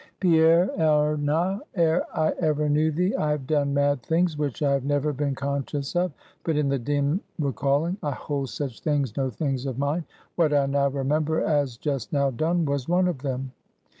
"Pierre, ere now, ere I ever knew thee I have done mad things, which I have never been conscious of, but in the dim recalling. I hold such things no things of mine. What I now remember, as just now done, was one of them."